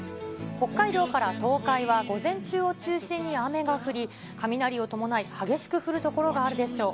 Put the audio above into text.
北海道から東海は午前中を中心に雨が降り、雷を伴い激しく降る所があるでしょう。